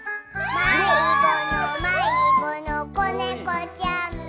「まいごのまいごのこねこちゃん」